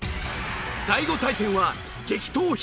第５対戦は激闘必至！